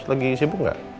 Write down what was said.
lagi sibuk gak